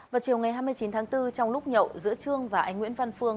vào chiều ngày hai mươi chín tháng bốn trong lúc nhậu giữa trương và anh nguyễn văn phương